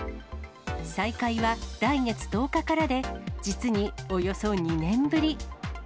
再開は来月１０日からで、実におよそ２年ぶり。